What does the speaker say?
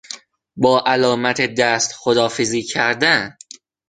با علامت دست خداحافظی کردن